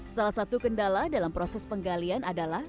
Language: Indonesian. salah satu kendala dalam proses penggalian adalah